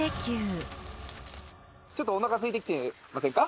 ちょっとおなかすいてきてませんか？